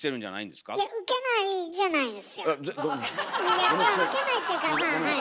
いや受けないっていうかまあはい。